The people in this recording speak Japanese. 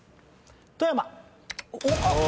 富山。